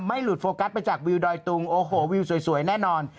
หลุดโฟกัสไปจากวิวดอยตุงโอ้โหวิวสวยแน่นอน